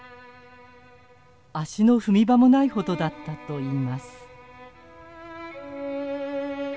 足の踏み場もないほどだったといいます。